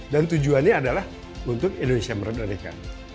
dan tujuannya adalah untuk indonesia merdeka